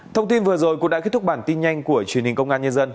thông tin vừa rồi cũng đã kết thúc bản tin nhanh của truyền hình công an nhân dân